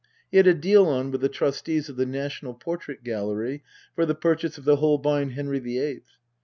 He had a deal on with the Trustees of the National Portrait Gallery for the purchase of the Holbein Henry the Eighth.